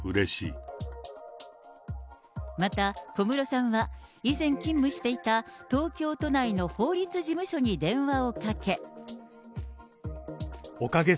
また、小室さんは、以前、勤務していた東京都内の法律事務所に電話をかけ。